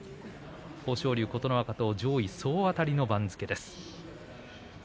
豊昇龍、琴ノ若上位総当たりの番付です。